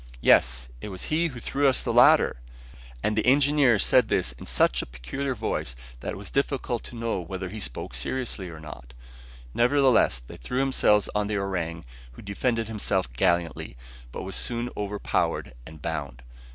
"Yes! it was he who threw us the ladder!" And the engineer said this in such a peculiar voice that it was difficult to know whether he spoke seriously or not. Nevertheless, they threw themselves on the orang, who defended himself gallantly, but was soon overpowered and bound.